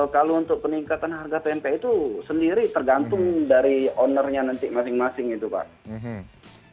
kalau untuk peningkatan harga pmp itu sendiri tergantung dari ownernya nanti masing masing itu pak